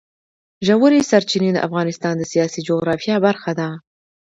ژورې سرچینې د افغانستان د سیاسي جغرافیه برخه ده.